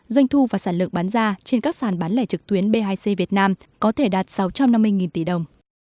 doanh thu và sản lượng bán ra trên các sàn bán lẻ trực tuyến b hai c việt nam có thể đạt sáu trăm năm mươi tỷ đồng